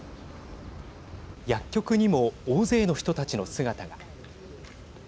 薬局にも大勢の人たちの姿が。